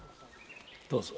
・どうぞ。